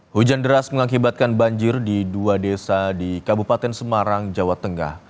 hujan deras mengakibatkan banjir di dua desa di kabupaten semarang jawa tengah